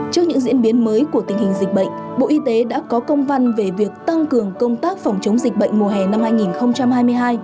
trước những diễn biến mới của tình hình dịch bệnh bộ y tế đã có công văn về việc tăng cường công tác phòng chống dịch bệnh mùa hè năm hai nghìn hai mươi hai